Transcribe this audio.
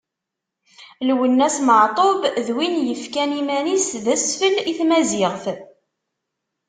Lwennas Meɛtub d win yefkan iman-is d asfel i tmaziɣt.